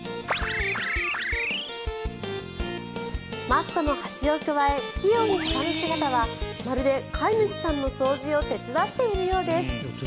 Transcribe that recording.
マットの端をくわえ器用に畳む姿はまるで飼い主さんの掃除を手伝っているようです。